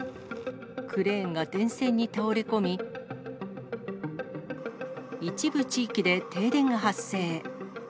クレーンが電線に倒れ込み、一部地域で停電が発生。